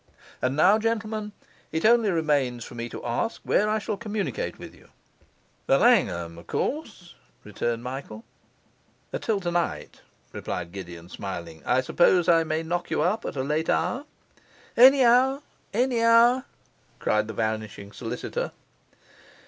And now, gentlemen, it only remains for me to ask where I shall communicate with you.' 'The Langham, of course,' returned Michael. 'Till tonight.' 'Till tonight,' replied Gideon, smiling. 'I suppose I may knock you up at a late hour?' 'Any hour, any hour,' cried the vanishing solicitor.